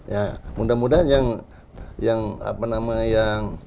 ya mudah mudahan yang mou dan mou